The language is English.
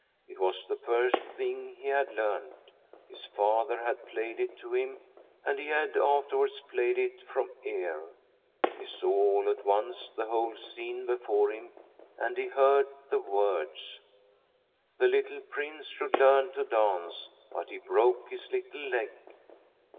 It was the first thing he had learnt. His father had played it to him, and he had afterwards played it from ear. He saw all at once the whole scene be fore him, and he heard the words :' The little Prince should learn to dance, but he broke his little leg.'